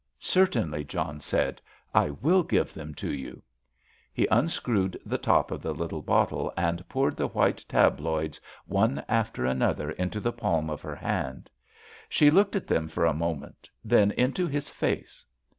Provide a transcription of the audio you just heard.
"Certainly," John said, "I will give them to you!" He unscrewed the top of the little bottle, and poured the white tabloids one after another into the palm of her hand. She looked at them for a moment, then into his face.